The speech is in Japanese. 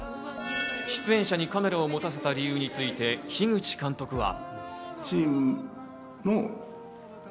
出演者にカメラを持たせた理由について樋口監督は。